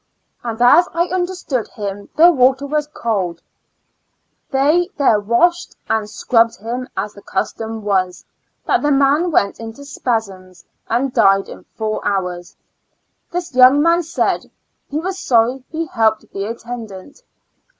And as I understood him the water was cold; "they there washed and scrubbed him as the custom was, that the man went into spasms and died in four hours." This young man said, " he was sorry he helped the attendant."